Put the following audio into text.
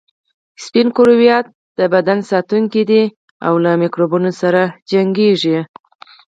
سپین کرویات د بدن ساتونکي دي او له میکروبونو سره جنګیږي